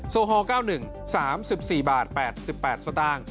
โซฮอล์๙๑๓๔บาท๘๘สต